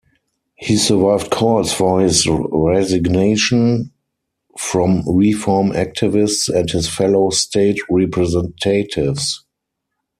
He survived calls for his resignation from reform activists and his fellow state representatives.